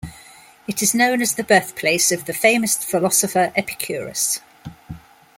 It is known as the birthplace of the famous philosopher Epicurus.